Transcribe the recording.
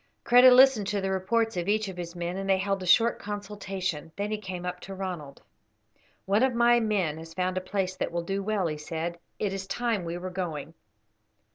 Kreta listened to the reports of each of his men, and they held a short consultation. Then he came up to Ronald. "One of my men has found a place that will do well," he said. "It is time we were going."